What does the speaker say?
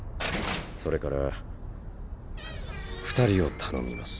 それから二人を頼みます。